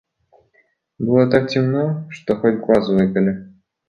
Было так темно, что хоть глаз выколи.